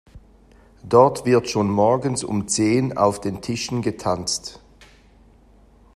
Dort wird schon morgens um zehn auf den Tischen getanzt.